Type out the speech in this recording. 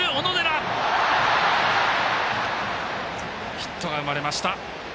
ヒットが生まれました。